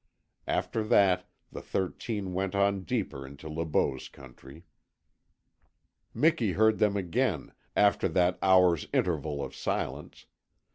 After that the thirteen went on deeper into Le Beau's country. Miki heard them again, after that hour's interval of silence.